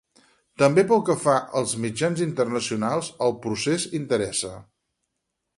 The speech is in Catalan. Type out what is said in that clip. També pel que fa als mitjans internacionals, el procés interessa.